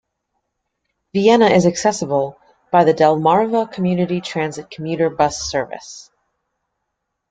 Vienna is accessible by the Delmarva Community Transit commuter bus service.